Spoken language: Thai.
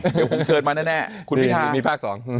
เดี๋ยวผมเชิญมาแน่คุณวิทามีภาคสอง